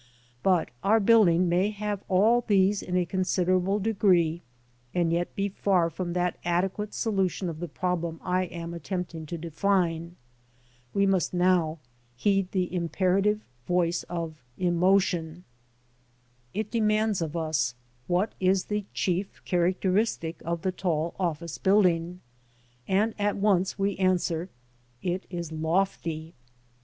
But our building may have all these in a considerable degree and yet be far from that adequate solution of the problem I am at tempting to define. We must now heed the imperative voice of emo tion. 406 THE TALL OFFICE BUILDING ARTISTICALLY CONSIDERED. It demands of us, What is the chief characteristic of the tall office building? And at once we answer, it is lofty.